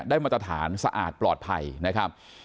มาตรฐานสะอาดปลอดภัยนะครับ